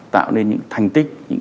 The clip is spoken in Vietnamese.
tạo nên những thành tích